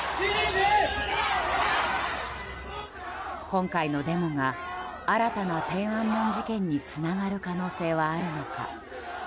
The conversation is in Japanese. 今回のデモが新たな天安門事件につながる可能性はあるのか。